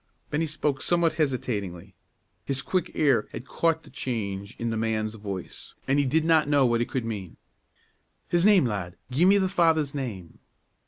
Bennie spoke somewhat hesitatingly. His quick ear had caught the change in the man's voice, and he did not know what it could mean. "His name, lad! gi' me the father's name!"